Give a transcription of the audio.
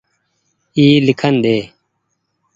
اي ليکين ۮي۔